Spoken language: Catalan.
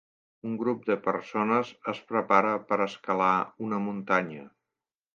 Un grup de persones es prepara per escalar una muntanya.